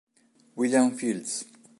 William Fields